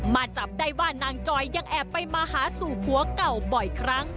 มาจับได้ว่านางจอยยังแอบไปมาหาสู่ผัวเก่าบ่อยครั้ง